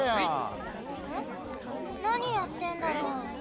なにやってんだろ？